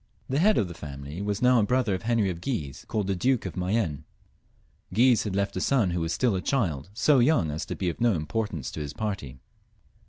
The head of the family was now a brother of Henry of Guise, called the Duke of Mayenne; Guise had left a son who was still a child, so young as to be of no importance to his party.